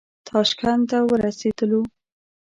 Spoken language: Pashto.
تاشکند ته ورسېدلو.